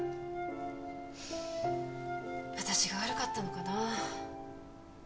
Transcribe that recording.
私が悪かったのかなあ